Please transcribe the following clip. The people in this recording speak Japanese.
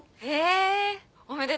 おめでとうだね。